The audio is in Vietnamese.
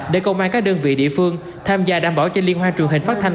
để công an các đơn vị địa phương tham gia đảm bảo cho liên hoan truyền hình phát thanh